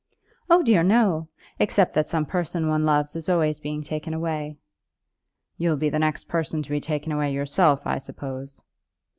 "Oh dear, no, except that some person one loves is always being taken away." "You'll be the next person to be taken away yourself, I suppose?"